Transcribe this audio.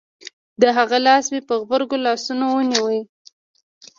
د هغه لاس مې په غبرگو لاسو ونيو.